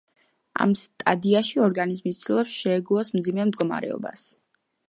ამ სტადიაში ორგანიზმი ცდილობს შეეგუოს მძიმე მდგომარეობას.